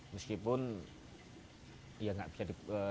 meskipun ya nggak bisa di